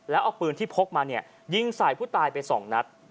และเอาปืนที่พกมานี่ยิงสายผู้ตายไป๒นัด